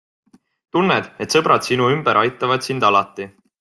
Tunned, et sõbrad sinu ümber aitavad sind alati.